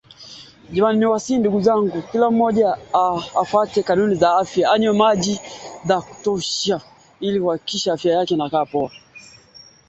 Ikiwa ni changamoto kwa Waziri Mkuu wa muda Abdulhamid Dbeibah.